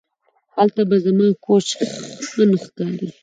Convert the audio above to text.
هلته به زما کوچ ښه نه ښکاري